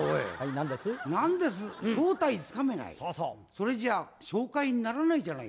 それじゃあ紹介にならないじゃない。